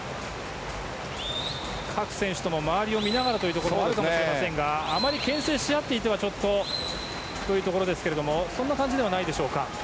各選手とも周りを見ながらというところもあるかもしれませんがあまりけん制し合っていてはちょっとというところですけどもそんなことはないんでしょうか。